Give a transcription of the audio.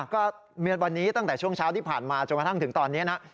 ก็วันนี้ตั้งแต่ช่วงเช้าที่ผ่านมาจนกระทั่งถึงตอนนี้นะ